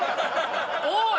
⁉おい！